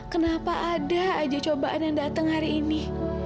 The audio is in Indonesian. kenapa ada aja cobaan yang datang hari ini